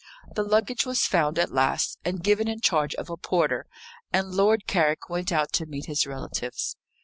The luggage was found at last, and given in charge of a porter; and Lord Carrick went out to meet his relatives.